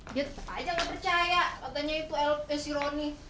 dia tetep aja gak percaya katanya itu si roni